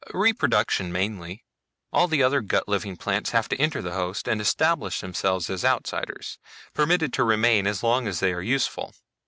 "Reproduction, mainly. All the other gut living plants have to enter the host and establish themselves as outsiders, permitted to remain as long as they are useful.